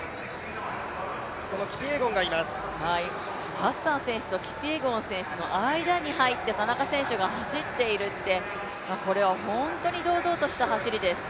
ハッサン選手とキピエゴン選手の間に入って田中選手が走っているって、本当に堂々とした走りです。